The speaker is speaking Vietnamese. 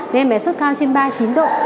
nên em bé sốt cao trên ba mươi chín độ